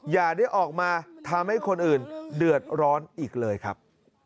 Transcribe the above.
อย่าได้ออกมาทำให้คนอื่นเดือดร้อนอีกเลยครับ